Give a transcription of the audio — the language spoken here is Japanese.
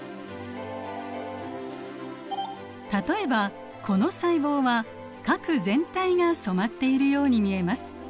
例えばこの細胞は核全体が染まっているように見えます。